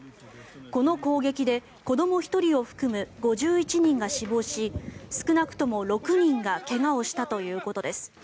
この攻撃で子ども１人を含む５１人が死亡し少なくとも６人が怪我をしたということです。